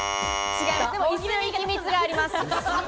椅子に秘密があります。